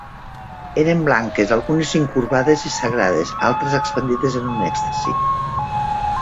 Eren blanques, algunes incurvades i sagrades, altres expandides en un èxtasi.